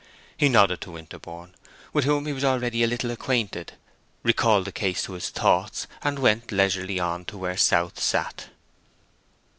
He nodded to Winterborne, with whom he was already a little acquainted, recalled the case to his thoughts, and went leisurely on to where South sat.